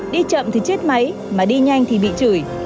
đi chậm thì chết máy mà đi nhanh thì bị chửi